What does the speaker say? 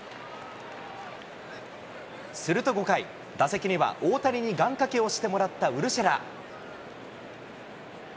すると５回、打席には、大谷に願かけをしてもらったウルシェラ。